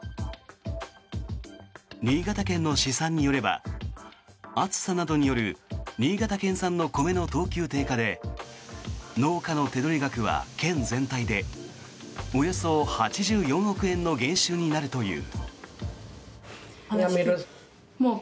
新潟県の試算によれば暑さなどによる新潟県産の米の等級低下で農家の手取り額は県全体でおよそ８４億円の減収になるという。